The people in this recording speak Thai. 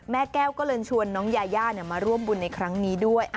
แม่แก้วก็เลยชวนน้องยายามาร่วมบุญในครั้งนี้ด้วย